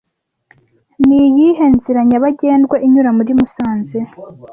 Niyihe nzira nyabagendwa inyura muri musanze